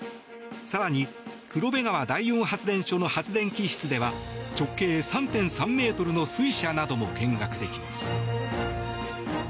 更に黒部川第四発電所の発電機室では直径３．３ｍの水車なども見学できます。